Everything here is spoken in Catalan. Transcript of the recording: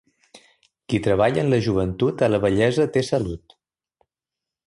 Qui treballa en la joventut, a la vellesa té salut.